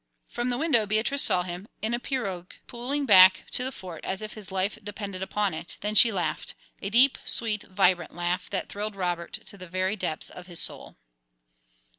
From the window Beatrice saw him, in a pirogue, pulling back to the Fort as if his life depended upon it, then she laughed a deep, sweet, vibrant laugh, that thrilled Robert to the very depths of his soul.